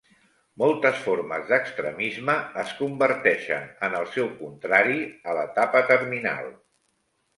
Moltes formes d'extremisme es converteixen en el seu contrari a l'etapa terminal.